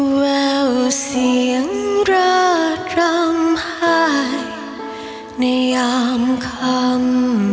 แววเสียงราดรำไฮในยามคำ